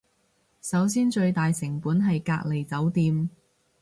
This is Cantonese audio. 首先最大成本係隔離酒店